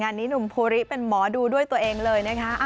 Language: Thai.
นี้หนุ่มภูริเป็นหมอดูด้วยตัวเองเลยนะคะ